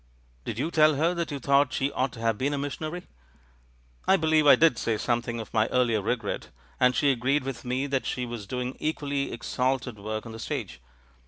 "Did you tell her that you thought she ought to have been a missionary?" "I believe I did say something of my earlier regret ; and she agreed with me that she was do ing equally exalted work on the stage.